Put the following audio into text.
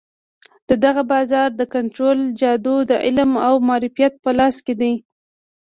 د دغه بازار د کنترول جادو د علم او معرفت په لاس کې دی.